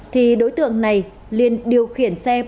thì đối tượng này liên điều khiển xe mô tô